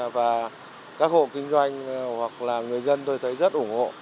và các hộ kinh doanh hoặc là người dân tôi thấy rất ủng hộ